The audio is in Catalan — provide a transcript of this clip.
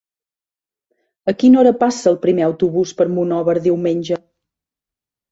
A quina hora passa el primer autobús per Monòver diumenge?